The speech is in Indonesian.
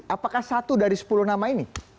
apakah satu dari sepuluh nama ini